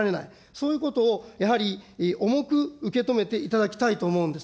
そういうことをやはり重く受け止めていただきたいと思うんです。